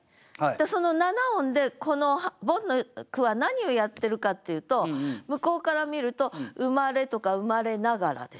その７音でこのボンの句は何をやってるかっていうと向こうから見ると「生まれ」とか「生まれながら」でしょ。